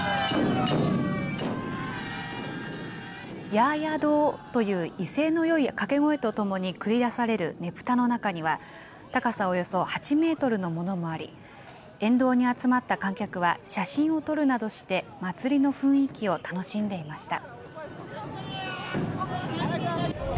ヤーヤドーという威勢のよい掛け声とともに繰り出されるねぷたの中には、高さおよそ８メートルのものもあり、沿道に集まった観客は写真を撮るなどして、祭りの雰囲気を楽しんでいました。